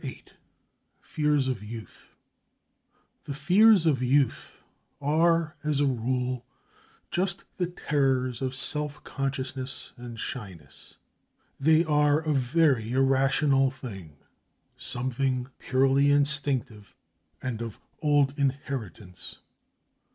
VIII FEARS OF YOUTH The fears of youth are as a rule just the terrors of self consciousness and shyness. They are a very irrational thing, something purely instinctive and of old inheritance.